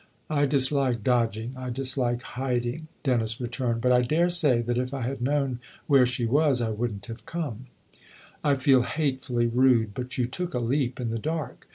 " I dislike dodging I dislike hiding," Dennis returned ;" but I daresay that if I had known where she was I wouldn't have come." " I feel hatefully rude but you took a leap in the dark.